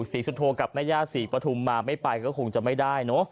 ศรีชุโฑกับมะญาศีปฐุมมาไม่ไปก็คงจะไม่ได้